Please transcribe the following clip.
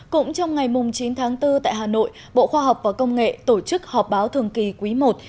cũng trong ngày chín tháng bốn tại hà nội bộ khoa học và công nghệ tổ chức họp báo thường kỳ quý i